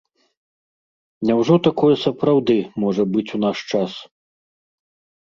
Няўжо такое сапраўды можа быць у наш час?